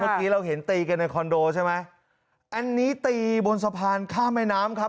เมื่อกี้เราเห็นตีกันในคอนโดใช่ไหมอันนี้ตีบนสะพานข้ามแม่น้ำครับ